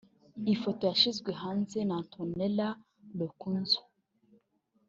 Ifoto yashyizweb hanze na Antonela Roccuzzo